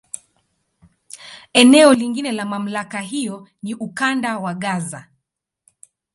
Eneo lingine la MamlakA hiyo ni Ukanda wa Gaza.